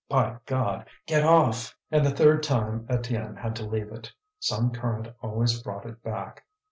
"By God! Get off!" And the third time Étienne had to leave it. Some current always brought it back.